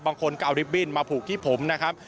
บางคนกล่าวดิบบินมาผูกที่ผมนะครับ